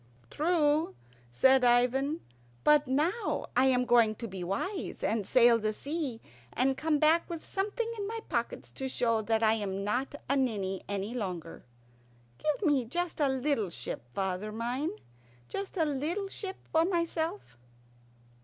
"True," said Ivan; "but now I am going to be wise, and sail the sea and come back with something in my pockets to show that I am not a ninny any longer. Give me just a little ship, father mine just a little ship for myself."